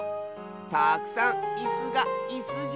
たくさんイスが「いす」ぎて。